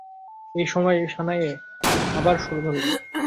এই সময়ে সানাইয়ে আবার সুর ধরিল।